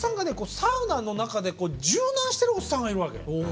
サウナの中で柔軟してるおっさんがいるわけ。